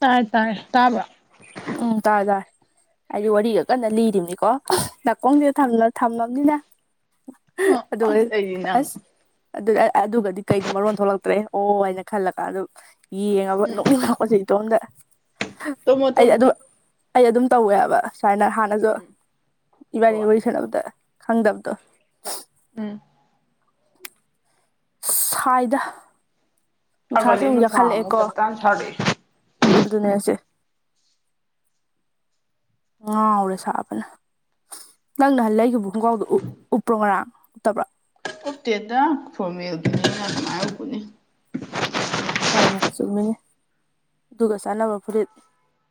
ꯇꯥꯔꯦ ꯇꯥꯔꯦ ꯇꯥꯕꯔꯣ ꯎꯝ ꯇꯥꯔꯦ ꯇꯥꯔꯦ ꯑꯩꯖꯨ ꯋꯥꯔꯤꯒ ꯀꯟꯅ ꯂꯤꯔꯤꯝꯅꯤꯀꯣ ꯅꯥꯀꯣꯡꯁꯤꯗ ꯊꯝꯂ ꯊꯝꯃꯕꯅꯤꯅ ꯍꯨꯝ ꯎꯁ ꯑꯗꯨꯒ ꯑꯩꯗꯤ ꯅꯪ ꯑꯁ ꯑꯗꯨ ꯑ ꯑꯗꯨꯒꯗꯤ ꯀꯩꯗꯣ ꯃꯔꯣꯟ ꯊꯣꯛꯂꯛꯇ꯭ꯔꯦ ꯑꯣ ꯍꯥꯏꯅ ꯈꯜꯂꯒ ꯑꯗꯨ ꯌꯦꯡꯉꯕ ꯎꯝ ꯅꯣꯛꯅꯤꯡꯉꯛꯄꯁꯤ ꯏꯇꯣꯝꯗ ꯇꯨꯝꯃꯣ ꯑꯩ ꯇꯨꯝꯃꯣ ꯑꯗꯨꯝ ꯑꯩ ꯑꯗꯨꯝ ꯇꯧꯋꯦꯕ ꯍꯥꯏꯕ ꯁꯨꯃꯥꯏꯅ ꯍꯥꯟꯅ ꯑꯗꯣ ꯎꯝ ꯏꯕꯥꯅꯤ ꯍꯣꯏ ꯋꯥꯔꯤ ꯁꯥꯅꯕꯗ ꯈꯪꯗꯕꯗꯣ ꯎꯝ ꯁꯥꯏꯗ ꯅꯨꯡꯁꯥꯁꯦ ꯁꯒꯠꯂꯛꯑꯦ ꯅꯨꯡꯁꯥ ꯑꯃꯨꯛ ꯌꯥꯛꯈꯠꯂꯛꯑꯦꯀꯣ ꯄꯞꯇꯥꯡ ꯁꯥꯔꯛꯑꯦ ꯑꯗꯨꯅꯦ ꯑꯁꯦ ꯉꯥꯎꯔꯦ ꯁꯥꯕꯅ ꯅꯪ ꯅꯍꯥꯟ ꯂꯩꯈꯤꯕ ꯈꯣꯡꯒꯥꯎꯗꯣ ꯎꯞ ꯎꯞꯄ꯭ꯔꯣ ꯉꯔꯥꯡ ꯇꯕ꯭ꯔꯥ ꯎꯞꯇꯦꯗ ꯐꯣꯔꯃꯦꯜꯒꯤꯅꯤꯅ ꯀꯃꯥꯏ ꯎꯞꯄꯨꯅꯤ ꯍꯣꯏꯅꯦ ꯆꯨꯝꯃꯤꯅꯦ ꯑꯗꯨꯒ ꯆꯥꯟꯅꯕ ꯐꯨꯔꯤꯠ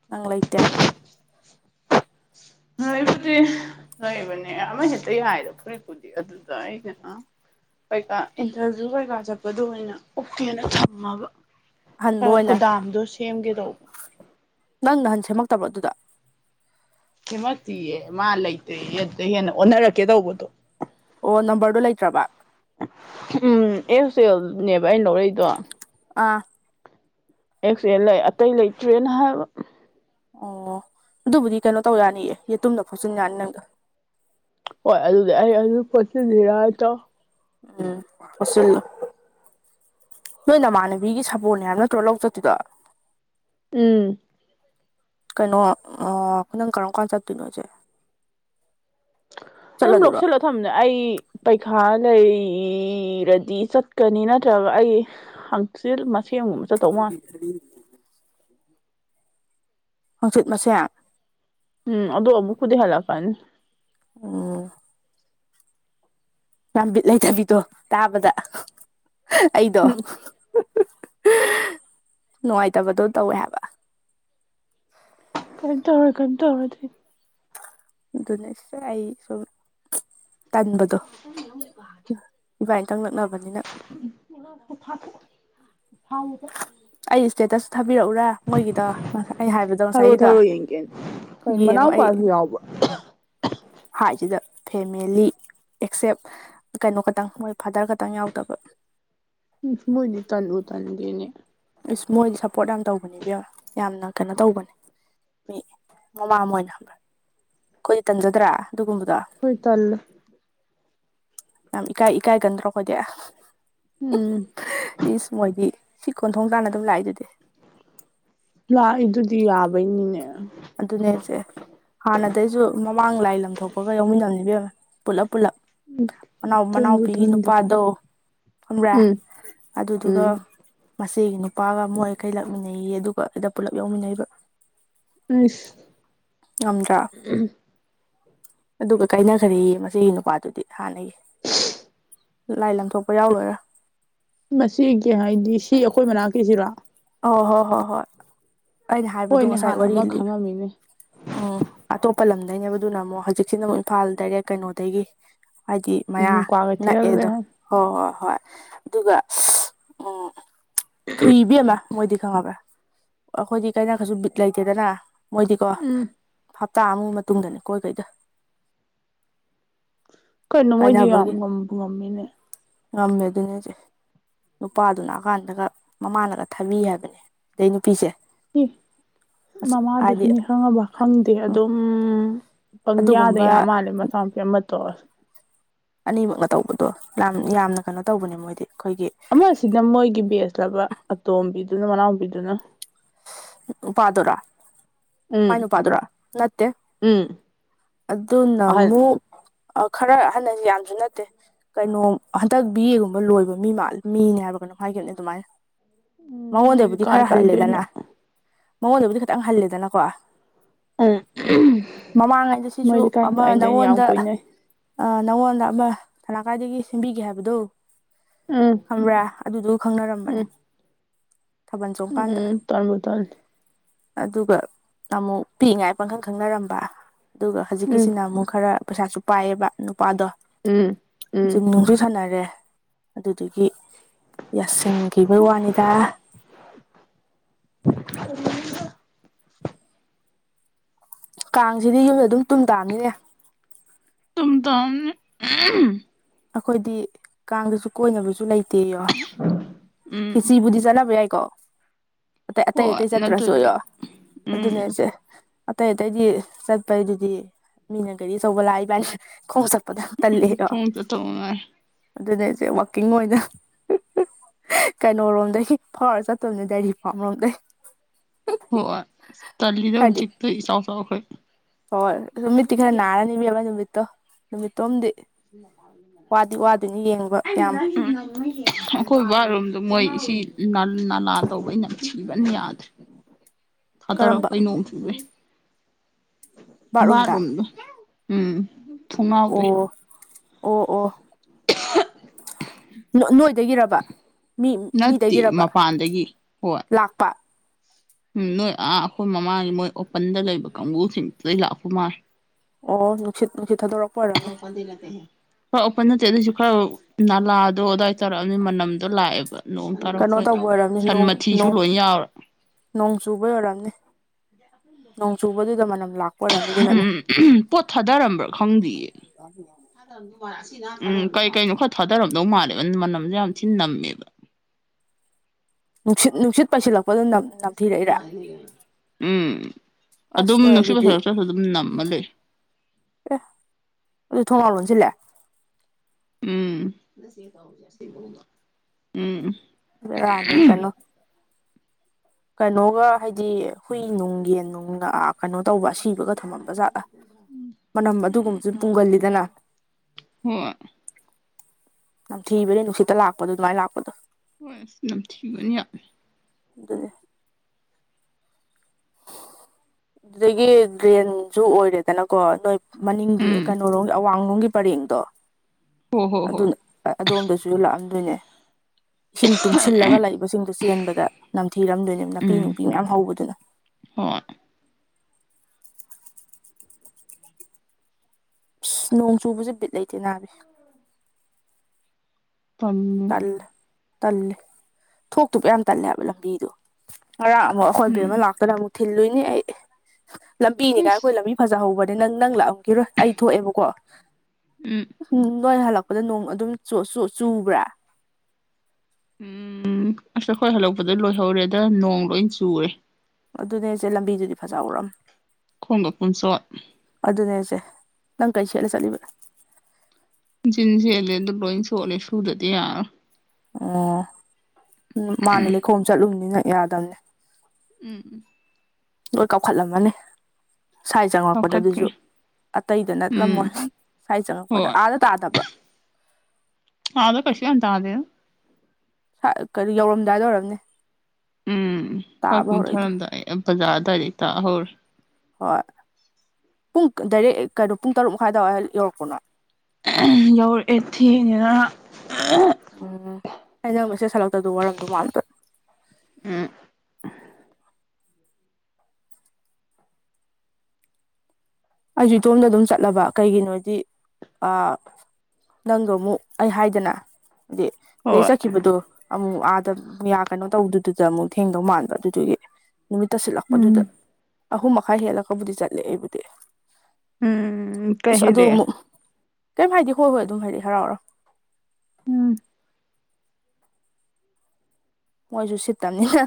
ꯅꯪ ꯂꯩꯇꯦ꯫ ꯂꯩꯕꯨꯗꯤ ꯂꯩꯕꯅꯦ ꯑꯃ ꯍꯦꯛꯇ ꯍꯥꯏꯔꯣ ꯐꯨꯔꯤꯠꯄꯨꯗꯤ ꯑꯗꯨꯗ ꯀꯩꯀꯥ ꯏꯟꯇꯔꯚꯤꯌꯨ ꯀꯩꯀꯥ ꯆꯠꯄꯗꯣ ꯑꯣꯏꯅ ꯎꯞꯀꯦꯅ ꯊꯝꯃꯕ꯫ ꯑꯍꯟꯕ ꯈ ꯑꯣꯏꯅ ꯀꯣꯗꯥꯝꯗꯣ ꯁꯦꯝꯒꯦꯗꯧꯕ ꯅꯪ ꯅꯍꯥꯟ ꯁꯦꯝꯃꯛꯇꯕꯔ ꯑꯗꯨꯗꯣ꯫ ꯁꯤꯃꯛꯇꯤꯌꯦ ꯃꯥ ꯂꯩꯇ꯭ꯔꯦ ꯑꯗꯧ ꯍꯦꯟꯅ ꯑꯣꯟꯅꯔꯛꯀꯦ ꯇꯧꯕꯗꯣ꯫ ꯑꯣ ꯅꯝꯕꯔꯗꯣ ꯂꯩꯇ꯭ꯔꯕ꯫ ꯎꯝ ꯑꯦꯁ ꯑꯦꯜꯅꯦꯕ ꯑꯩꯅ ꯂꯧꯔꯛꯏꯗꯣ꯫ ꯑꯥ ꯑꯦꯛꯁ ꯑꯦꯜ ꯂꯩ ꯑꯇꯩ ꯂꯩꯇ꯭ꯔꯦꯅ ꯍꯥꯏꯕ ꯑꯣ ꯑꯗꯨꯕꯨꯗꯤ ꯀꯩꯅꯣ ꯇꯧ ꯌꯥꯅꯤꯑꯦ ꯌꯦꯇꯨꯝꯅ ꯐꯣꯆꯤꯟ ꯌꯥꯅꯤ ꯅꯪꯗꯣ ꯍꯣꯏ ꯑꯗꯨꯗꯤ ꯑꯩ ꯑꯗꯨ ꯄꯣꯠ ꯎꯝ [unintelligible] ꯅꯣꯏ ꯅꯃꯥꯟꯅꯕꯤꯒꯤ ꯁꯥꯄꯣꯟꯅꯦ ꯍꯥꯏꯕ ꯅꯠꯇ꯭ꯔꯣ ꯂꯧ ꯆꯠꯇꯣꯏꯗꯣ꯫ ꯎꯝ ꯀꯩꯅꯣ ꯅꯪ ꯀꯔꯝ ꯀꯥꯟ ꯆꯠꯇꯣꯏꯅꯣ ꯁꯦ ꯑꯗꯨꯝ ꯆꯠꯂꯗꯣꯏꯔꯣ ꯂꯧꯁꯤꯂꯛ ꯈꯡꯗꯦ ꯑꯩ ꯄꯩꯈꯥ ꯂꯩꯔꯗꯤ ꯆꯠꯀꯅꯤ ꯅꯠꯇ꯭ꯔꯒ ꯑꯩ ꯍꯥꯡꯆꯤꯠ ꯃꯥꯁꯦꯝ [unintelligible] ꯍꯣꯡꯆꯤꯠ ꯃꯁꯦꯝ ꯎꯝ ꯑꯗꯨꯣ ꯑꯃꯨꯛꯄꯨꯗꯤ ꯍꯥꯂꯛꯀꯅꯤ꯫ ꯑꯣ ꯌꯥꯝ ꯕꯤꯠ ꯂꯩꯇꯕꯤꯗꯣ ꯇꯥꯕꯗ ꯑꯩꯗꯣ ꯎꯝ [unintelligible] ꯅꯨꯡꯉꯥꯏꯇꯕꯗꯣ ꯇꯧꯋꯦ ꯍꯥꯏꯕ꯫ ꯀꯏꯝ ꯇꯧꯔꯣꯏ ꯀꯏꯝ ꯇꯧꯔꯣꯏ ꯑꯗꯨ ꯑꯗꯨꯅꯦ ꯑꯩ ꯁꯨꯝ ꯇꯟꯕꯗꯣ ꯏꯕꯥꯏꯟꯇꯪ ꯅꯛꯅꯕꯅꯤꯅ [unintelligible] ꯑꯩ ꯏꯁꯇꯦꯇꯁꯁꯨ ꯊꯥꯕꯤꯔꯛꯎꯔ ꯃꯣꯏꯒꯤꯗꯣ ꯑꯩꯅ ꯍꯥꯏꯕꯗꯣ ꯉꯁꯥꯏꯒꯤꯗꯣ ꯀ ꯌꯦꯡꯉꯣ ꯑꯩ ꯩꯃꯅꯥꯎꯄꯒꯤ꯫ [unintelligible] ꯍꯥꯏꯁꯤꯗ ꯐꯦꯃꯦꯂꯤ ꯑꯦꯛꯁꯦꯞ ꯀꯩꯅꯣ ꯈꯛꯇꯪ ꯃꯣꯏ ꯐꯥꯗꯔ ꯈꯛꯇꯪ ꯌꯥꯎꯗꯕ ꯏꯁ ꯃꯣꯏꯕꯨ ꯇꯥꯟꯕꯨ ꯇꯟꯗꯦꯅꯦ꯫ ꯏꯁ ꯃꯣꯏꯗꯤ ꯁꯞꯄꯣꯔꯠ ꯌꯥꯝ ꯇꯧꯕꯅꯦꯕ ꯌꯥꯝꯅ ꯀꯩꯅꯣ ꯇꯧꯕꯅꯦ꯫ ꯃꯤ ꯃꯃꯥ ꯑꯃ ꯑꯣꯏꯅ ꯑꯩꯈꯣꯏꯗꯤ ꯇꯝꯖꯗ꯭ꯔꯥ ꯑꯗꯨꯒꯨꯝꯕꯗꯣ꯫ ꯍꯣꯏ ꯇꯜꯂꯦ꯫ ꯌꯥꯝ ꯏꯀꯥꯏ ꯏꯀꯥꯏꯒꯟꯗ꯭ꯔꯥ ꯑꯩꯏꯗꯤ꯫ ꯎꯝ꯫ ꯏꯁ ꯃꯣꯏꯗꯤ ꯁꯤ ꯀꯣꯟꯊꯣꯡ ꯇꯥꯟꯅ ꯑꯗꯨꯝ ꯂꯥꯛꯏꯗꯨꯗꯤ꯫ ꯂꯥꯛꯏꯗꯨꯗꯤ ꯌꯥꯕꯩꯅꯤꯅꯦ꯫ ꯑꯗꯨꯅꯦꯁꯦ ꯍꯥꯟꯅꯗꯩꯁꯨ ꯃꯃꯥꯡ ꯂꯥꯏ ꯂ ꯂꯝꯊꯣꯛꯄꯒ ꯌꯥꯎꯃꯤꯟꯅꯕꯅꯤ ꯢꯕꯦꯝꯃ ꯄꯨꯂꯞ ꯄꯨꯜꯂꯞ꯫ ꯃꯅꯥꯎ ꯇꯟꯕꯨ ꯃꯅꯥꯎꯄꯤꯒꯤ ꯇꯟꯗꯦ ꯅꯨꯄꯥꯗꯣ ꯈꯣꯟꯕ꯭ꯔ ꯎꯝ ꯑꯗꯨꯗꯨꯒ ꯎꯝ ꯃꯆꯦꯒꯤ ꯅꯨꯄꯥꯒ ꯃꯣꯏꯈꯩ ꯂꯥꯛꯃꯤꯟꯅꯩꯌꯦ ꯑꯗꯨꯒ ꯑꯗ ꯄꯨꯜꯂꯞ ꯌꯥꯎꯃꯤꯟꯅꯔꯤꯕ꯫ ꯑꯩꯁ꯫ ꯉꯝꯗ꯭ꯔꯥ ꯑꯗꯨꯒ ꯀꯥꯏꯅꯈ꯭ꯔꯦ ꯃꯁꯤꯒꯤ ꯅꯨꯄꯥꯗꯨꯗꯤ ꯍꯥꯟꯅꯒꯤ꯫ ꯂꯥꯏ ꯂꯪꯊꯣꯛꯄ ꯌꯥꯎ ꯂꯣꯏꯔꯒ꯫ ꯃꯁꯤꯒꯤ ꯍꯥꯏꯗꯤ ꯁꯤ ꯑꯩꯈꯣꯏ ꯃꯅꯥꯛꯁꯤꯒꯤꯔꯣ꯫ ꯑꯣ ꯍꯣꯏ ꯍꯣꯏ ꯍꯣꯏ ꯑꯩꯅ ꯍꯥꯏꯕꯗꯣ ꯍꯣꯏꯅꯦ ꯉꯁꯥꯏ ꯍꯥꯟꯅ ꯋꯥꯔꯤ ꯑꯃ ꯂꯤ ꯈꯪꯉꯝꯃꯤꯅꯦ ꯎꯝ ꯑꯇꯣꯞꯄ ꯂꯝꯗꯅꯦꯕꯗꯨꯅ ꯑꯃꯨꯛ ꯍꯧꯖꯤꯛꯁꯤꯅ ꯑꯃꯨꯛ ꯏꯝꯐꯥꯜ ꯗꯥꯏꯔꯦꯛ ꯀꯩꯅꯣꯗꯒꯤ ꯍꯥꯏꯗꯤ ꯃꯌꯥ ꯎꯝ ꯀ꯭ꯋꯥ ꯀꯩꯊꯦꯜ ꯅꯛꯑꯦꯗꯣ꯫ ꯂꯩꯍꯟ ꯍꯣꯏ ꯍꯣꯏ ꯍꯣꯏ ꯑꯗꯨꯒ ꯎꯝ ꯊꯨꯏ ꯏꯕꯦꯝꯃ ꯃꯣꯏꯗꯤ ꯈꯪꯉꯕ꯭ꯔꯥ ꯑꯩꯈꯣꯏꯗꯤ ꯀꯅꯥꯀꯁꯨ ꯕꯤꯠ ꯂꯩꯇꯦꯗꯅ ꯃꯣꯏꯗꯤꯀꯣ ꯎꯝ ꯍꯞꯇꯥ ꯑꯃꯒꯤ ꯃꯇꯨꯡꯗꯅꯦꯅꯤ ꯀꯣꯏ ꯀꯩꯗ ꯀꯩꯅꯨ ꯃꯣꯏꯖꯤ ꯌꯥꯝ ꯀꯥꯏꯅꯕꯒꯤ ꯉꯝꯕ ꯉꯃꯤꯅꯦ ꯉꯝꯃꯦ ꯑꯗꯨꯅꯦ ꯍꯥꯏꯖꯦ ꯅꯨꯄꯥꯗꯨ ꯂꯥꯛꯑꯀꯥꯟꯗꯒ ꯃꯃꯥꯗꯨꯅ ꯊꯝꯃꯤ ꯍꯥꯏꯕꯅꯦ ꯑꯗꯩ ꯅꯨꯄꯤꯁꯦ ꯍꯥꯏꯗꯤ ꯃꯃꯥꯗꯨꯁꯨꯅꯤ ꯈꯪꯉꯕ ꯈꯪꯗꯦ ꯑꯗꯨꯝ ꯄꯪꯌꯥꯗ ꯌꯥꯝ ꯑꯗꯨꯒꯨꯝꯕ ꯃꯥꯜꯂꯦ ꯃꯆꯥ ꯃꯨꯄꯤ ꯑꯃ ꯇꯧꯔꯁꯨ ꯑꯅꯤꯃꯛꯅ ꯇꯧꯕꯗꯣ ꯌꯥꯝ ꯌꯥꯝꯅ ꯀꯩꯅꯣ ꯇꯧꯕꯅꯦ ꯃꯣꯏꯗꯤ ꯑꯩꯈꯣꯏꯒꯤ ꯑꯃꯁꯤꯅ ꯃꯣꯏꯒꯤ ꯕꯦꯁꯂꯕ ꯑꯇꯣꯝꯕꯤꯗꯨꯅ ꯃꯅꯥꯎꯄꯤꯗꯨꯅ ꯄꯥꯗꯨꯔꯥ ꯃꯥꯏ ꯎꯝ ꯅꯨꯄꯥꯗꯨꯔꯥ ꯅꯠꯇꯦ ꯎꯝ ꯑꯗꯨꯅ ꯑꯍꯟ ꯑꯃꯨꯛ ꯑ ꯈꯔ ꯑꯍꯟ ꯍꯥꯏꯖꯤ ꯌꯥꯝꯁꯨ ꯅꯠꯇꯦ ꯀꯩꯅꯣ ꯍꯟꯗꯛ ꯕꯤ ꯑꯦꯒꯨꯝꯕ ꯂꯣꯏꯕ ꯃꯤ ꯃꯥꯂ ꯃꯤꯅꯦ ꯍꯥꯏꯕ꯭ꯔꯒꯩꯅꯝ ꯍꯥꯏꯒꯅꯤ ꯑꯗꯨꯃꯥꯏꯅ ꯎꯝ ꯃꯣꯏꯗꯤ ꯃꯉꯣꯟꯗꯕꯨꯗꯤ ꯀꯥꯏ ꯈꯔ ꯀꯥꯏꯗꯩꯅꯣ ꯍꯜꯂꯦꯗꯅ ꯃꯉꯣꯟꯗꯕꯨꯗꯤ ꯈꯤꯇꯪ ꯍꯜꯂꯦꯗꯅꯀꯣ ꯎꯝ ꯃꯃꯥꯡꯉꯩꯗ ꯁꯤꯁꯨ ꯃꯣꯏꯗꯤ ꯀꯥꯏ ꯑꯃ ꯀꯥꯏꯗꯩꯅꯣ ꯌꯥꯝ ꯅꯪꯉꯣꯟꯗ ꯀꯣꯏꯅꯩ ꯑꯥ ꯅꯪꯉꯣꯟꯗ ꯑꯃ ꯊꯂꯥꯀꯥꯏꯗꯒꯤ ꯁꯦꯝꯕꯤꯒꯦ ꯍꯥꯏꯕꯗꯨ ꯎꯝ ꯈꯪꯕ꯭ꯔꯥ ꯑꯗꯨꯗꯨ ꯈꯪꯅꯔꯝꯕꯅꯦ ꯎꯝ ꯊꯥꯕꯜ ꯆꯣꯡꯀꯥꯟꯗ ꯎꯝ ꯇꯟꯕꯨ ꯇꯟꯂꯤ ꯑꯗꯨꯒ ꯑꯃꯨꯛ ꯄꯤꯛꯏꯉꯥꯏ ꯄꯥꯡꯈꯪ ꯈꯪꯅꯔꯝꯕ ꯑꯗꯨꯒ ꯎꯝ ꯍꯧꯖꯤꯛꯀꯤꯁꯤꯅ ꯑꯃꯨꯛ ꯈꯔ ꯄꯩꯁꯥꯁꯨ ꯄꯥꯏꯌꯦꯕ ꯅꯨꯄꯥꯗꯣ ꯎꯝ ꯎꯝ ꯖꯤꯝꯅꯨꯡꯁꯨ ꯁꯥꯟꯅꯔꯦ ꯑꯗꯨꯗꯨꯒꯤ ꯌꯥꯁꯤꯟꯒꯤꯕꯩ ꯋꯥꯅꯤꯗ [unintelligible] ꯀꯥꯡꯖꯤꯗꯤ ꯌꯨꯝꯗ ꯑꯗꯨꯝ ꯇꯨꯝ ꯇꯥꯕꯅꯤꯅꯦ ꯇꯨꯝꯇꯥꯝꯅꯤ ꯑꯩꯈꯣꯏꯗꯤ ꯀꯥꯡꯗꯁꯨ ꯀꯣꯏꯅꯕꯁꯨ ꯂꯩ ꯇꯦꯌꯣ ꯈꯦꯁꯤꯕꯨꯗꯤ ꯆꯅꯕ ꯌꯥꯏꯀꯣ ꯑꯇꯩ ꯑꯇꯩ ꯍꯣꯏ ꯑꯇꯩ ꯆꯠꯇ꯭ꯔꯁꯨ ꯅꯠꯇ꯭ꯔꯗꯤ ꯑꯣꯏꯌꯣ ꯎꯝ ꯑꯗꯨꯅꯦꯁꯦ ꯑꯇꯩ ꯑꯇꯩꯗꯤ ꯆꯠꯄꯩꯗꯨꯗꯤ ꯃꯤꯅ ꯒꯥꯔꯤ ꯑꯆꯧꯕ ꯂꯥꯛꯑ ꯏꯕꯅꯤ ꯈꯣꯡ ꯆꯠꯄ ꯇꯟꯂꯦ ꯌꯣ ꯈꯣꯡ ꯆꯠꯇꯧ ꯉꯥꯏꯔꯦ ꯑꯗꯨꯅꯦ ꯍꯥꯏꯁꯦ ꯋꯥꯀꯤꯡ ꯑꯣꯏꯅ ꯀꯩꯅꯣꯔꯣꯝꯗꯒꯤ ꯐꯥꯎꯔ ꯆꯠꯇꯧꯅꯦ ꯗꯥꯏꯔꯤꯄꯣꯛꯂꯣꯝꯗꯒꯤ ꯍꯣꯏ ꯇꯜꯂꯤꯗꯣ ꯈꯔꯗꯤ ꯍꯧꯖꯤꯛꯇꯣ ꯏꯆꯥꯎ ꯆꯥꯎꯈꯩ ꯍꯣꯏ ꯑꯗꯣ ꯃꯤꯠꯇꯤ ꯈꯔ ꯅꯥꯔꯅꯤꯕ ꯅꯨꯃꯤꯠꯇꯣ ꯅꯨꯃꯤꯠꯇꯣꯝꯗꯤ ꯋꯥꯗꯤ ꯋꯥꯗꯣꯏꯅꯤ ꯌꯦꯡꯕ [unintelligible] ꯌꯥꯝ ꯑꯩꯈꯣꯏ ꯕꯥꯠꯔꯨꯝꯗꯣ ꯃꯣꯏꯁꯤ ꯅꯂꯥ ꯇꯧꯕꯩ ꯅꯝꯊꯤꯕꯅ ꯌꯥꯗ꯭ꯔꯦ ꯀꯔꯝꯕ ꯊꯗꯥꯔꯛꯄꯩ ꯅꯣꯡ ꯆꯨꯕꯩ ꯕꯥꯠꯔꯨꯝꯗ ꯕꯥꯗꯔꯨꯝꯗꯣ ꯎꯝ ꯊꯣꯡꯅꯥꯎꯗꯩ ꯑꯣ ꯑꯣ ꯑꯣ [unintelligible] ꯅꯣ ꯅꯣꯏꯗꯥꯒꯤꯔꯕ ꯅꯠꯇꯦ ꯃꯄꯥꯟꯗꯒꯤ ꯍꯣꯏ ꯂꯥꯛꯄ ꯎꯝ ꯅꯣꯏ ꯑꯥ ꯑꯩꯈꯣꯏ ꯃꯃꯥꯡꯒꯤ ꯃꯣꯏ ꯑꯣꯄꯟꯗ ꯂꯩꯕ ꯀꯥꯡꯕꯨꯁꯤꯡꯗꯨꯗꯩ ꯂꯥꯛꯄ ꯃꯥꯜꯂꯦ ꯑꯣ ꯅꯨꯡꯁꯤꯠ ꯅꯨꯡꯁꯤꯠ ꯊꯥꯗꯣꯔꯛꯄ ꯑꯣꯏꯔꯝꯅꯦ ꯑꯗꯨꯏ ꯅꯠꯇꯦ ꯍꯣꯏ ꯑꯣꯄꯟ ꯅꯠꯇꯦ ꯑꯗꯨꯏꯁꯨ ꯈꯔ ꯅꯥꯂꯥꯗꯣ ꯑꯗꯨꯋꯥꯏ ꯇꯧꯔꯛꯑꯕꯅꯤ ꯃꯅꯝꯗꯣ ꯂꯥꯛꯑꯦꯕ ꯅꯣꯡ ꯀꯩꯅꯣ ꯇꯥꯔꯛꯄ ꯇꯧꯕ ꯑꯣꯏꯔꯝꯅꯤ ꯁꯟ ꯅꯣꯡ ꯃꯊꯤꯁꯨ ꯂꯣꯏ ꯌꯥꯎꯔꯦ ꯅꯣꯡ ꯆꯨꯕꯩ ꯑꯣꯏꯔꯝꯅꯤ ꯅꯣꯡ ꯆꯨꯕꯗꯨꯗ ꯃꯅꯝ ꯂꯥꯛ ꯎꯝ ꯄꯣꯠ ꯊꯥꯗꯔꯝꯕ꯭ꯔꯥ ꯈꯪꯗꯤꯌꯦ ꯎꯝ ꯀꯩ ꯀꯩꯅꯣ ꯈꯔ ꯊꯥꯗꯔꯝꯗꯧ ꯃꯥꯜꯂꯦꯕ ꯃꯅꯝꯖꯦ ꯌꯥꯝ ꯊꯤꯅ ꯅꯝꯃꯦꯕ ꯅꯨꯡꯁꯤꯠ ꯅꯨꯡꯁꯤꯠ ꯄꯥꯏꯁꯤꯜꯂꯛꯄꯗꯨꯅ ꯅꯝ ꯅꯝꯊꯤꯔꯛꯏꯔ ꯎꯝ ꯑꯁ ꯑꯗꯨꯝ ꯅꯣꯏ ꯅꯨꯡꯁꯤꯠ ꯑꯗꯨꯗꯤ ꯄꯥꯏꯁꯤꯜꯂꯛꯇꯔꯥꯁꯨ ꯑꯗꯨꯝ ꯅꯝꯃ ꯂꯩ ꯑꯦ ꯑꯗꯨ ꯊꯣꯡꯉꯥꯅꯥꯎ ꯂꯣꯟꯁꯤꯟꯂꯦ ꯎꯝ ꯎꯝ ꯕꯦꯔꯥꯅꯤ ꯀꯩꯅꯣ ꯀꯩꯅꯣꯒ ꯍꯥꯏꯗꯤ ꯍꯨꯏ ꯅꯨꯡ ꯌꯦꯟ ꯅꯨꯡꯒꯑꯥ ꯀꯩꯅꯣ ꯇꯧꯕ ꯑꯁꯤꯕꯒ ꯊꯝꯃꯝꯕ ꯖꯠꯂꯥ ꯃꯅꯝ ꯑꯗꯨꯒꯨꯝꯕꯖꯨ ꯄꯨꯡꯒꯜꯂꯤꯗꯅ ꯍꯣꯏ ꯅꯝꯊꯤꯕꯅꯦ ꯅꯨꯡꯁꯤꯠꯇ ꯂꯥꯛꯄꯗꯣ ꯑꯗꯨꯃꯥꯏꯅ ꯂꯥꯛꯄꯗꯣ ꯍꯣꯏ ꯅꯝꯊꯤꯕꯅꯤ ꯌꯥꯝ ꯑꯗꯨꯅꯦ ꯑꯗꯨꯗꯒꯤ ꯒ꯭ꯔꯦꯟꯁꯨ ꯑꯣꯏꯔꯦꯗꯅꯀꯣ ꯅꯣꯏ ꯃꯅꯤꯡꯒꯤ ꯀꯩꯅꯣꯔꯣꯝꯒꯤ ꯑꯋꯥꯡꯂꯣꯝꯒꯤ ꯄꯔꯦꯡꯗꯣ ꯍꯣꯏ ꯑꯗꯨꯅ ꯑꯗꯣꯝꯗꯁꯨ ꯂꯥꯛꯑꯝꯗꯣꯏꯅꯦ ꯏꯁꯤꯡ ꯇꯨꯡꯁꯤꯜꯂꯒ ꯂꯩꯏꯕꯁꯤꯡꯗꯣ ꯆꯦꯟꯕꯗ ꯅꯝꯊꯤꯔꯝꯗꯣꯏꯅꯦꯕ ꯅꯥꯄꯤ ꯎꯝ ꯅꯨꯄꯤ ꯃꯌꯥꯝ ꯍꯧꯕꯗꯨꯅ ꯍꯣꯏ ꯏꯁ ꯅꯣꯡ ꯆꯨꯕꯁꯦ ꯕꯤꯠ ꯂꯩꯇꯦ ꯅꯥꯕꯤ ꯇꯜꯂꯤ ꯇꯜꯂꯦ ꯇꯜꯂꯦ ꯊꯣꯛꯇꯨꯄ ꯌꯥꯝ ꯇꯜꯂꯦ ꯍꯥꯏꯕ ꯂꯝꯕꯤꯗꯣ ꯉꯔꯥꯡ ꯑꯃ ꯑꯥ ꯈꯣꯏ ꯕꯦꯝꯃ ꯎꯝ ꯂꯥꯛꯇꯅ ꯑꯃꯨꯛ ꯊꯤꯜꯂꯨꯅꯤ ꯑꯩ ꯂꯝꯄꯤꯅꯦꯒꯥꯏ ꯏꯁ ꯑꯩꯈꯣꯏ ꯂꯝꯕꯤ ꯐꯖꯍꯧꯕꯅꯦ ꯅꯪ ꯅꯪ ꯂꯥꯛꯑꯝꯒꯤꯔꯣꯏ ꯑꯩ ꯊꯣꯛꯑꯦꯕꯀꯣ ꯎꯝ [unintelligible] ꯅꯣꯏ ꯍꯜꯂꯛꯄꯗ ꯅꯣꯡ ꯑꯗꯨꯝ ꯆꯣ ꯆꯣ ꯆꯨꯕ꯭ꯔꯥ ꯎꯝ ꯑꯁ ꯍꯩꯈꯣꯏ ꯍꯜꯂꯛꯄꯗ ꯂꯣꯏꯍꯧꯔꯦꯗ ꯅꯣꯡ ꯂꯣꯏ ꯆꯨꯔꯦ ꯑꯗꯨꯅꯦ ꯍꯥꯏꯁꯦ ꯂꯝꯕꯤꯗꯨꯗꯤ ꯐꯖꯍꯧꯔꯝꯅꯦ ꯈꯣꯡꯒ ꯄꯨꯝꯆꯣꯠ ꯑꯗꯨꯅꯦ ꯍꯥꯏꯁꯦ ꯅꯪ ꯀꯩ ꯁꯦꯠꯂ ꯆꯠꯂꯤꯕ ꯖꯤꯟ ꯁꯦꯠꯂꯦ ꯑꯗꯨ ꯂꯣꯏ ꯆꯣꯠꯂꯦ ꯁꯨꯗꯔꯗꯤ ꯌꯥꯔꯔꯣꯏ ꯑꯣ ꯃꯥꯅꯦ ꯂꯩꯈꯣꯝ ꯆꯠꯂꯨꯕꯅꯤꯅ ꯌꯥꯗꯕꯅꯦ ꯎꯝ ꯎꯝ ꯂꯣꯏ ꯀꯥꯎꯈꯠꯂꯝꯃꯅꯤ ꯁꯥꯏ ꯆꯪꯉꯛꯄꯗ ꯂꯧꯈꯠꯈ꯭ꯔꯦ ꯑꯗꯨꯖꯨ ꯑꯇꯩꯗ ꯎꯝ ꯅꯠꯂꯝꯃꯣꯏ ꯁꯥꯏ ꯆꯪꯉꯛꯄꯗ ꯍꯣꯏ ꯑꯥꯗ ꯇꯥꯗꯕ꯭ꯔꯥ ꯑꯥꯗ ꯀꯩꯁꯨ ꯌꯥꯝ ꯇꯥꯗꯦꯗ [unintelligible] ꯀꯔꯤ ꯌꯧꯔꯝꯗꯥꯏꯗ ꯑꯣꯏꯔꯝꯅꯤ ꯎꯝ ꯈꯔ ꯍꯧꯔꯛꯏꯗꯣ ꯀꯨꯝꯊꯥꯔꯝꯗꯥꯏ ꯕꯖꯥꯔ ꯑꯗꯥꯏꯗꯩ ꯇꯥꯕ ꯍꯧꯔꯦ ꯍꯣꯏ ꯄꯨꯡ ꯀꯗꯥꯏꯔꯦꯛ ꯀꯩꯅꯣ ꯄꯨꯡ ꯇꯔꯨꯛ ꯃꯈꯥꯏ ꯑꯗꯋꯥꯏ ꯌꯧꯔꯛꯄꯔꯣ ꯅꯣꯏ ꯌꯧꯔꯛꯑꯦ ꯊꯦꯡꯅꯤꯅ ꯎꯝ ꯑꯩ ꯅꯪ ꯃꯦꯁꯦꯁ ꯍꯜꯂꯛꯇꯗꯣ ꯋꯥꯔꯝꯗꯧ ꯃꯥꯟꯕ ꯎꯝ ꯑꯩꯁꯨ ꯏꯇꯣꯝꯗ ꯑꯗꯨꯝ ꯆꯠꯂꯕ ꯀꯩꯒꯤꯅꯣꯏꯗꯤ ꯑꯥ ꯅꯪꯗꯣ ꯑꯃꯨꯛ ꯑꯩ ꯍꯥꯏꯗꯅ ꯍꯥꯏꯗꯤ ꯁꯤꯗꯩ ꯍꯣꯏ ꯆꯠꯈꯤꯕꯗꯣ ꯑꯃꯨꯛ ꯑꯥꯗ ꯃꯤꯌꯥ ꯀꯩꯅꯣ ꯇꯧꯗꯨꯗꯨꯗ ꯑꯃꯨꯛ ꯊꯦꯡꯗꯧ ꯃꯥꯟꯕ ꯑꯗꯨꯗꯨꯒꯤ ꯅꯨꯃꯤꯠ ꯇꯁꯤꯜꯂꯛꯄꯗꯨꯗ ꯎꯝ ꯑꯍꯨꯝ ꯃꯈꯥꯏ ꯍꯦꯜꯂꯒꯕꯨꯗꯤ ꯆꯠꯂꯦ ꯑꯩꯕꯨꯗꯤ ꯎꯝ ꯀꯩ ꯑꯁ ꯑꯗꯨ ꯍꯥꯏꯩꯔꯛꯑꯦ ꯑꯃꯨꯛ ꯀꯦꯝ ꯍꯥꯏꯗꯤ ꯍꯣꯏ ꯍꯣꯏ ꯑꯗꯨꯝ ꯍꯥꯏꯔꯛꯑꯦ ꯍꯔꯥꯎ ꯍꯔꯥꯎ ꯎꯝ ꯃꯣꯏꯁꯨ ꯁꯤꯠꯇꯝꯅꯤꯅ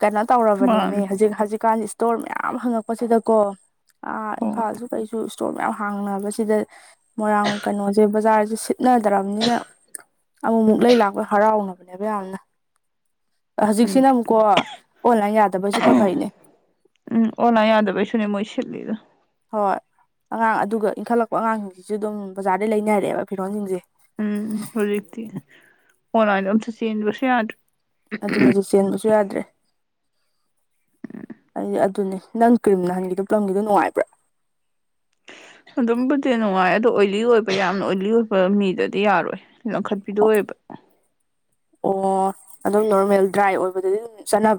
ꯀꯩꯅꯣ ꯇꯧꯔꯕꯅꯦꯃꯤ ꯃꯥꯅꯤ ꯍꯧꯖꯤꯛ ꯍꯧꯖꯤꯛꯀꯥꯟ ꯇꯣꯔ ꯃꯌꯥꯝ ꯍꯥꯡꯉꯛꯄꯁꯤꯗꯀꯣ ꯑꯥ ꯍꯣꯏ ꯏꯝꯐꯥꯜꯁꯨ ꯀꯩꯁꯨ ꯏꯁꯇꯣꯔ ꯃꯌꯥꯝ ꯍꯥꯡꯅꯕꯁꯤꯗ ꯃꯣꯏꯔꯥꯡ ꯀꯩꯅꯣꯖꯦ ꯕꯖꯥꯔꯖꯦ ꯁꯤꯠꯅꯗ꯭ꯔꯕꯅꯤꯅ ꯑꯃꯨꯛꯃꯨꯛ ꯂꯩ ꯂꯥꯛꯄ ꯍꯔꯥꯎꯅꯕꯅꯦꯕ ꯌꯥꯝꯅ ꯑꯥ ꯎꯝ ꯍꯧꯖꯤꯛꯁꯤꯅ ꯑꯃꯨꯛꯀꯣ ꯑꯣꯟꯂꯥꯏꯟ ꯌꯥꯗꯕꯩꯁꯨ ꯈꯔ ꯐꯩꯅꯦ ꯎꯝ ꯑꯣꯂꯥꯏ ꯌꯥꯗꯕꯩꯁꯨꯅꯤ ꯃꯣꯏ ꯁꯤꯠꯂꯤꯗꯣ ꯍꯣꯏ ꯑꯉꯥꯡ ꯑꯗꯨꯒ ꯏꯟꯈꯠꯂꯛꯄ ꯑꯉꯥꯡꯁꯤꯡꯁꯤꯖꯨ ꯑꯗꯨꯝ ꯕꯖꯥꯔꯗꯩ ꯂꯩꯅꯔꯦꯕ ꯐꯤꯔꯣꯟꯁꯤꯡꯁꯦ ꯎꯝ ꯍꯧꯖꯤꯛꯇꯤ ꯑꯣꯟꯂꯥꯏꯟꯗ ꯑꯃꯇ ꯆꯦꯟꯖꯕꯁꯨ ꯌꯥꯗꯔꯦ ꯑꯗꯨꯅꯖꯨ ꯆꯦꯟꯕꯁꯨ ꯌꯥꯗ꯭ꯔꯦ ꯑꯩ ꯑꯗꯨꯅꯦ ꯅꯪ ꯀ꯭ꯔꯤꯝ ꯅꯍꯟꯒꯤꯗꯣ ꯄꯂꯝꯒꯤꯗꯣ ꯅꯨꯡꯉꯥꯏꯕ꯭ꯔꯥ ꯑꯗꯨꯝꯕꯨꯗꯤ ꯅꯨꯡꯉꯥꯏ ꯑꯗꯣ ꯑꯣꯏꯂꯤ ꯑꯣꯏꯕ ꯌꯥꯝꯅ ꯑꯣꯏꯂꯤ ꯑꯣꯏꯕ ꯃꯤꯗꯗꯤ ꯌꯥꯔꯣꯏ ꯂꯧꯈꯠꯄꯤꯗꯣ ꯑꯣꯏꯑꯕ ꯑꯣ ꯑꯗꯨꯝ ꯅꯣꯔꯃꯦꯜ ꯗ꯭ꯔꯥꯏ ꯑꯣꯏꯕꯗꯗꯤ ꯑꯗꯨꯝ ꯆꯠꯅ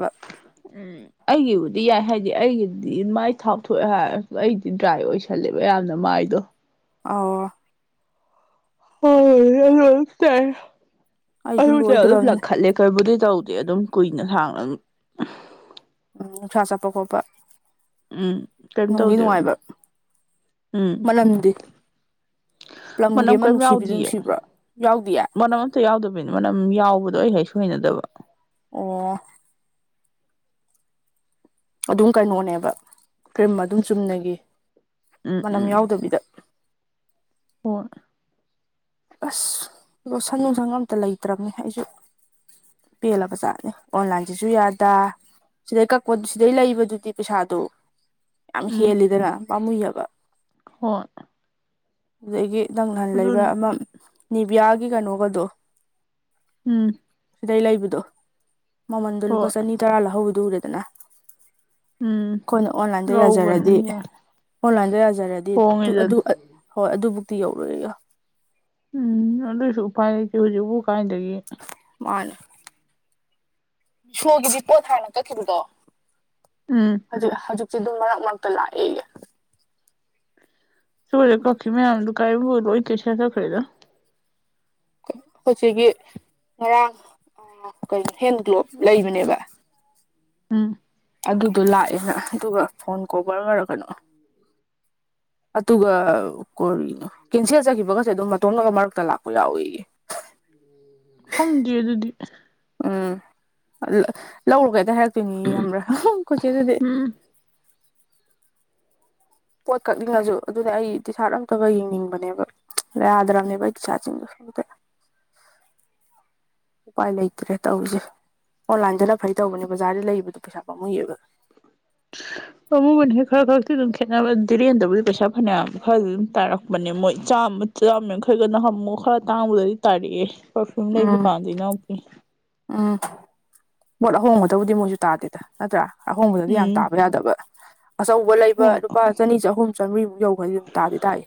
ꯎꯝ ꯑꯩꯒꯤꯕꯨꯗꯤ ꯌꯥꯏ ꯍꯥꯏꯗꯤ ꯑꯩꯒꯤꯗꯤ ꯃꯥꯏ ꯊꯥꯎꯊꯣꯛꯑꯦ ꯍꯥꯏꯔꯁꯨ ꯑꯩꯗꯤ ꯗ꯭ꯔꯥꯏ ꯑꯣꯏꯁ ꯊꯜꯂꯦꯕ ꯌꯥꯝꯅ ꯃꯥꯏꯗꯣ ꯑꯣ [unintelligible] ꯇ ꯑꯩꯁꯨ ꯑꯗꯨꯝ ꯂꯣꯏꯗꯣꯔꯕꯅꯤ ꯂꯥꯡꯈꯠꯂꯦ ꯀꯩꯕꯨꯗꯤ ꯇꯧꯗꯦ ꯑꯗꯨꯝ ꯀꯨꯏꯅ ꯁꯥꯡꯅ [unintelligible] ꯎꯝ ꯅꯨꯡꯁꯥ ꯆꯠꯄ ꯈꯣꯠꯄ ꯎꯝ ꯀꯩꯝ ꯅꯨꯡꯗꯤ ꯇꯧꯗꯦꯕ ꯅꯨꯡꯉꯥꯏꯕ ꯎꯝ ꯃꯅꯝꯗꯤ ꯄꯂꯝꯒꯤ ꯃꯅꯝ ꯑꯃ ꯀꯩꯝ ꯅꯨꯡꯁꯤꯕꯤꯗꯨ ꯌꯥꯎꯗꯤꯌꯦ ꯅꯨꯡꯁꯤꯕ꯭ꯔꯣ ꯌꯥꯎꯗꯤꯌꯥ ꯃꯅꯝ ꯑꯝꯇ ꯌꯥꯎꯗꯕꯅꯤ ꯃꯔꯅꯝ ꯌꯥꯎꯕꯗꯣ ꯑꯩ ꯍꯦꯛ ꯁꯣꯏꯅꯗꯕ ꯑꯣ ꯑꯗꯨꯝ ꯀꯩꯅꯣꯅꯦꯕ ꯀ꯭ꯔꯤꯝ ꯑꯗꯨꯝ ꯆꯨꯝꯅꯒꯤ ꯎꯝ ꯃꯅꯝ ꯎꯝ ꯌꯥꯎꯗꯕꯤꯗ ꯍꯣꯏ ꯑꯁ ꯑꯗꯣ ꯁꯟ ꯅꯨꯡꯁꯪ ꯑꯝꯇ ꯂꯩꯇ꯭ꯔꯕꯅꯦ ꯑꯩꯁꯨꯦ ꯄꯦꯜꯂꯕꯖꯥꯠꯅꯤ ꯑꯣꯟꯂꯥꯏꯟꯁꯤꯁꯨ ꯌꯥꯗ ꯁꯤꯗꯩ ꯀꯛꯄꯗꯨ ꯁꯤꯗꯩ ꯂꯩꯕꯗꯨꯗꯤ ꯄꯩꯁꯥꯗꯨ ꯌꯥꯝ ꯎꯝ ꯍꯦꯜꯂꯤꯗꯅ ꯄꯥꯝꯃꯨꯏꯑꯕ ꯍꯣꯏ ꯑꯗꯨꯗꯒꯤ ꯅꯪ ꯅꯍꯥꯟ ꯂꯩꯕ ꯑꯗꯨꯅ ꯑꯃ ꯅꯤꯚꯌꯥꯒꯤ ꯀꯩꯅꯣꯒꯗꯣ ꯎꯝ ꯁꯤꯗꯩ ꯂꯩꯕꯗꯣ ꯃꯃꯟꯗꯣ ꯂꯨꯄꯥ ꯍꯣꯏ ꯆꯅꯤ ꯇꯔꯥ ꯂꯧꯍꯧꯕꯗꯨ ꯎꯔꯦꯗꯅ ꯎꯝ ꯑꯩꯈꯣꯏꯅ ꯑꯣꯟꯂꯥꯏꯟꯗ ꯌꯥꯖꯔꯗꯤ ꯂꯧꯕꯅꯤ ꯑꯣꯟꯂꯥꯏꯟꯗ ꯌꯥꯖꯔꯗꯤ ꯑꯗꯨ ꯍꯣꯡꯉꯤꯗꯅ ꯍꯣꯏ ꯑꯗꯨꯕꯨꯛꯇꯤ ꯌꯧꯔꯛꯏꯒ ꯎꯝ ꯑꯗꯨꯏꯁꯨ ꯎꯄꯥꯏ ꯂꯩꯇꯦ ꯍꯧꯖꯤꯛꯐ ꯀꯥꯏꯗꯒꯤ ꯃꯅꯦ ꯁꯣꯒꯤꯗꯤ ꯄꯣꯠ ꯍꯥꯏꯥꯟꯅ ꯆꯠꯈꯤꯕꯗꯣ ꯎꯝ ꯍꯧꯖꯤꯛ ꯍꯧꯖꯤꯛꯁꯤ ꯑꯗꯨꯝ ꯃꯔꯛ ꯃꯔꯛꯇ ꯂꯥꯛꯑꯦꯒ ꯁꯦ ꯀꯀꯤ ꯃꯌꯥꯝꯗꯨ ꯀꯥꯏꯕꯨꯣꯜꯣ ꯏꯦ ꯁꯦ ꯁꯈꯗ ꯈꯣꯏꯆꯦꯀꯤ ꯉꯔꯥꯡ ꯀꯩꯅꯣ ꯍꯦꯟ ꯒ꯭ꯂꯣꯞ ꯂꯩꯕꯅꯦꯕ ꯎꯝ ꯑꯗꯨꯗꯣ ꯂꯥꯛꯑꯦꯅ ꯑꯗꯨꯒ ꯐꯣꯟ ꯀꯣꯕꯔ ꯑꯣꯏꯔꯒꯅꯣ [inaudible] ꯑꯗꯨꯒ ꯀꯣ ꯀꯦꯟꯁꯦꯜꯖꯈꯤꯕꯒꯁꯦ ꯑꯗꯨꯝ ꯃꯇꯣꯝꯅꯒ ꯃꯔꯛꯇ ꯂꯥꯛꯄ ꯌꯥꯎꯏꯦꯒꯤ ꯈꯣꯡꯗꯦ ꯑꯗꯨꯗꯤ ꯎꯝ ꯂꯧꯔꯨꯒꯇ ꯍꯥꯏꯔꯛꯇꯣꯏꯅꯤ ꯌꯥꯝꯕ꯭ꯔꯥ ꯀꯣꯏꯆꯦꯗꯗꯤ ꯎꯝ ꯄꯣꯠ ꯀꯛꯅꯤꯡꯉꯁꯨ ꯑꯗꯨꯗꯤ ꯑꯩ ꯇꯗꯤꯁꯥꯔꯠ ꯑꯝꯇꯕ ꯌꯦꯡꯅꯤꯡꯕꯅꯦꯕ ꯌꯥꯗꯔ꯭ꯕꯅꯦ ꯑꯩ ꯇꯤꯁꯥꯠ ꯁꯤꯡꯗꯣ [inaudible] ꯎꯄꯥꯏ ꯂꯩꯇ꯭ꯔꯦ ꯇꯧꯔꯤꯁꯦ ꯑꯣꯟꯂꯥꯏꯟꯗꯅ ꯐꯩ ꯇꯧꯕꯅꯦ ꯕꯖꯥꯔꯗ ꯂꯩꯕꯗꯣ ꯄꯩꯁꯥ ꯄꯥꯝꯃꯨꯏꯌꯦꯕ ꯑꯃꯃꯨꯕꯟ ꯍꯦꯛ ꯈꯔ ꯈꯛꯇꯤ ꯑꯗꯨꯝ ꯈꯦꯠꯅꯕꯗꯤꯔꯦꯟꯗꯕꯨꯗꯤ ꯄꯩꯁꯥ ꯐꯅꯌꯥꯝ ꯐꯔꯗꯤ ꯑꯗꯨꯝ ꯇꯥꯔꯛꯄꯅꯦ ꯃꯣꯏ ꯆꯥꯝꯃ ꯆꯃꯦ ꯃꯈꯩꯒꯅ ꯍꯥꯃꯨꯛ ꯈꯔ ꯇꯥꯡꯕꯗꯗꯤ ꯇꯥꯔꯛꯑꯦ ꯄꯔꯐꯤꯌꯨꯝ ꯂꯩꯕ ꯎꯝ ꯀꯥꯟꯗ ꯅꯨꯛꯀꯤ ꯎꯝ ꯄꯣꯠ ꯑꯍꯣꯡꯕꯗꯕꯨꯗꯤ ꯃꯣꯏꯁꯨ ꯇꯥꯗꯦꯗ ꯅꯠꯇ꯭ꯔꯥ ꯑꯍꯣꯡꯕꯗꯗꯤ ꯌꯥꯝ ꯎꯝ ꯇꯥꯕ ꯌꯥꯗꯕ ꯑꯆꯧꯕ ꯍꯣ ꯂꯩꯕ ꯂꯨꯄꯥ ꯆꯅꯤ ꯆꯍꯨꯝ ꯆꯥꯝꯔꯤꯃꯨꯛ ꯌꯧꯕꯗꯤ ꯑꯗꯨꯝ ꯇꯥꯗꯤ ꯇꯥꯏꯏ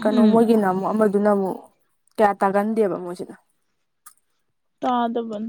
ꯀꯩꯅꯣ ꯎꯝ ꯃꯣꯏꯒꯤꯅ ꯑꯃꯨꯛ ꯑꯃꯗꯨꯅ ꯑꯃꯨꯛ ꯀꯌꯥ ꯇꯥꯒꯟꯗꯦꯕ ꯃꯣꯏꯁꯤꯅ ꯇꯥꯗꯕꯟ